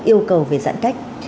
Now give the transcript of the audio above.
yêu cầu về giãn cách